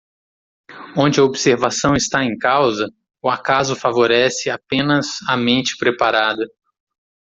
Onde a observação está em causa, o acaso favorece apenas a mente preparada.